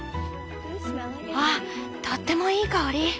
あっとってもいい香り。